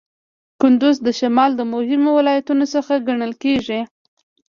کندز د شمال د مهمو ولایتونو څخه ګڼل کیږي.